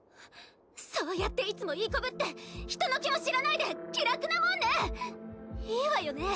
そうやっていつもいい子ぶって人の気も知らないで気楽なもんね！いいわよね